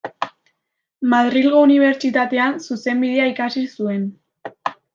Madrilgo Unibertsitatean zuzenbidea ikasi zuen.